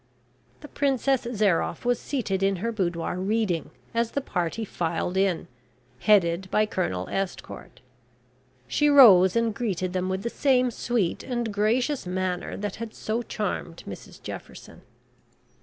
The Princess Zairoff was seated in her boudoir reading, as the party filed in, headed by Colonel Estcourt. She rose and greeted them with the same sweet and gracious manner that had so charmed Mrs Jefferson.